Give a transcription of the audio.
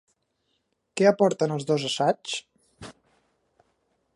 Què aporten els dos assaigs?